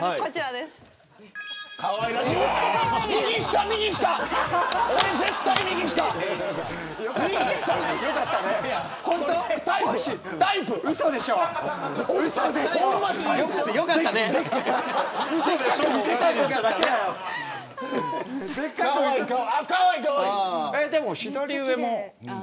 でも左上も。